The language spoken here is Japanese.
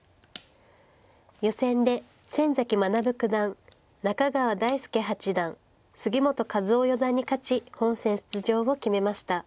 予選で先崎学九段中川大輔八段杉本和陽四段に勝ち本戦出場を決めました。